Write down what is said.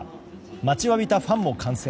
待ちわびたファンも歓声。